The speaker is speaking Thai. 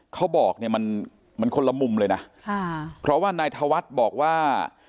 เขาบอกเนี่ยมันมันคนละมุมเลยนะค่ะเพราะว่านายธวัฒน์บอกว่า